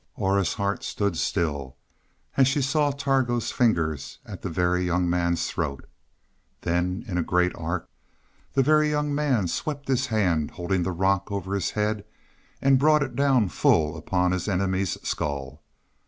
Aura's heart stood still as she saw Targo's fingers at the Very Young Man's throat. Then, in a great arc, the Very Young Man swept the hand holding the rock over his head, and brought it down full upon his enemy's skull.